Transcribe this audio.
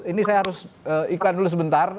ini saya harus iklan dulu sebentar